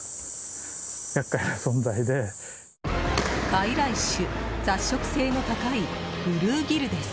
外来種、雑食性の高いブルーギルです。